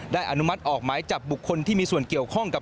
อนุมัติออกหมายจับบุคคลที่มีส่วนเกี่ยวข้องกับ